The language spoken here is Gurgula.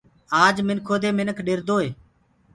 آج منکو دي منک ڏردوئي